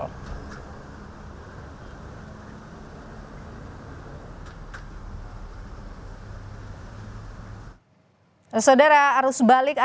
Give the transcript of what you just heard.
saudara arus balik arah jakarta yang melalui gerbang tol cikampek